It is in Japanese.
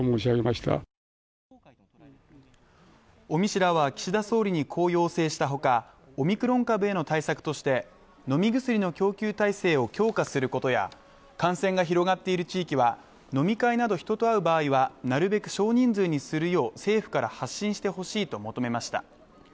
尾身氏らは岸田総理にこう要請した他、オミクロン株への対策として飲み薬の供給体制を強化することや感染が広がっている地域は飲み会など人と会う場合はなるべく少人数にするよう政府から発信してほしいと求めました。